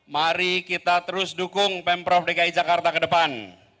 mari kita terus dukung pemprov dki jakarta ke depan